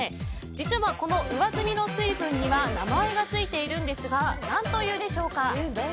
実はこの上澄みの水分には名前がついているんですが何というでしょうか？